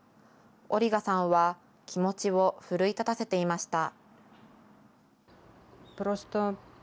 オリガさんは、気持ちを奮い立たせていました。